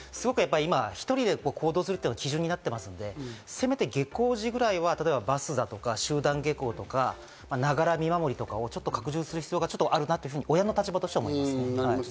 １人で行動することが基準になっているので、せめて下校時くらいは、バスとか集団下校とか、ながら見守りとかを拡充する必要があるなと親の立場として思います。